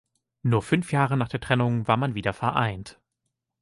Nur fünf Jahre nach der Trennung war man wieder vereint.